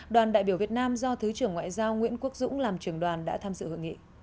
đoàn đại biểu việt nam do thứ trưởng ngoại giao nguyễn quốc dũng làm trưởng đoàn đã tham dự hội nghị